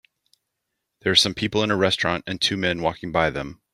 There are some people in a restaurant and two men walking by them